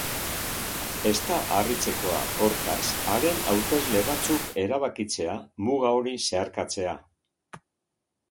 Ez da harritzekoa, hortaz, haren hautesle batzuk erabakitzea muga hori zeharkatzea.